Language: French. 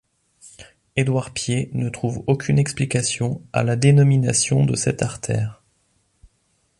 Édouard Pied ne trouve aucune explication à la dénomination de cette artère.